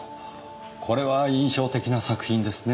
これは印象的な作品ですね。